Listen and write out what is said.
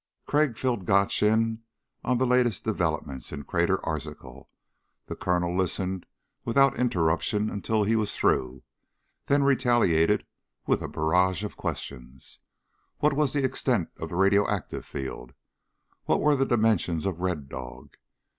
Crag filled Gotch in on the latest developments in Crater Arzachel. The Colonel listened without interruption until he was through, then retaliated with a barrage of questions. What was the extent of the radioactive field? What were the dimensions of Red Dog?